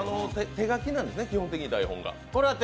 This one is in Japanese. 手書きなんですね、基本的に台本は。